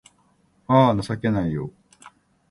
あぁ、情けないよ